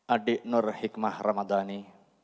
adik nur hikmah ramadhani